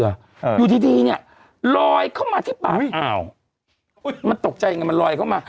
อ่าอยู่ดีดีเนี้ยลอยเข้ามาที่ปากอ้าวมันตกใจยังไงมันลอยเข้ามา